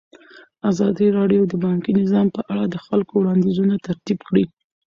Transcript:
ازادي راډیو د بانکي نظام په اړه د خلکو وړاندیزونه ترتیب کړي.